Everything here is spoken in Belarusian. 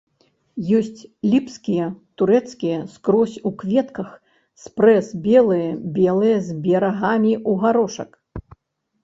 Ёсць ліпскія, турэцкія, скрозь у кветках, спрэс белыя, белыя з берагамі ў гарошак.